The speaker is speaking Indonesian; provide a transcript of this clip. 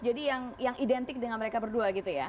jadi yang identik dengan mereka berdua gitu ya